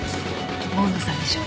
主水さんでしょ？